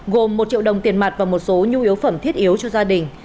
gồm một triệu đồng tiền mặt và một số nhu yếu phẩm thiết yếu cho gia đình